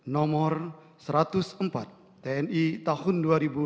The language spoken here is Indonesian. nomor satu ratus empat tni tahun dua ribu dua puluh tiga